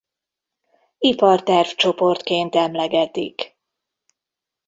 Iparterv-csoportként emlegetik.